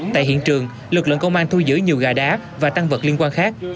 tại hiện trường lực lượng công an thu giữ nhiều gà đá và tăng vật liên quan khác